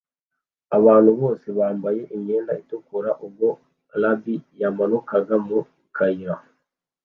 Abantu bose bambaye imyenda itukura ubwo Rabbi yamanukaga mu kayira